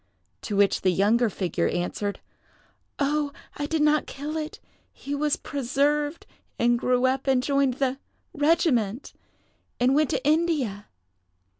To which the younger figure answered, "Oh, I did not kill it. He was preserved, and grew up, and joined the —— regiment, and went to India."